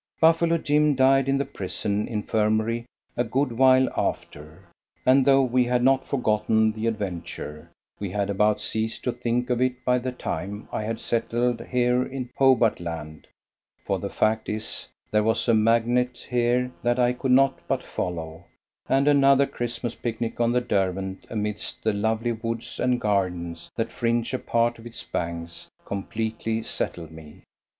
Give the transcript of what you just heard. Buffalo Jim died in the prison infirmary a good while after, and though we had not forgotten the adventure, we had about ceased to think of it by the time I had settled here in Hobart Land, for the fact is there was a magnet here that I could not but follow, and another Christmas picnic on the Derwent, amidst the lovely woods and gardens that fringe a part of its banks completely settled me.